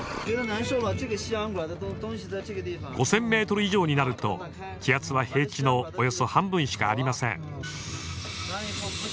５，０００ｍ以上になると気圧は平地の約半分しかありません。